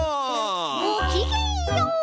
ごきげんよう！